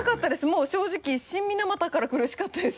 もう正直「新水俣」から苦しかったです。